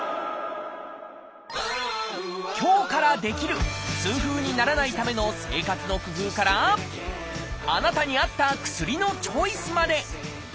今日からできる痛風にならないための生活の工夫からあなたに合った薬のチョイスまで。